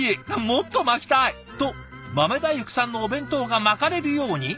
もっと巻きたい！」と豆大福さんのお弁当が巻かれるように。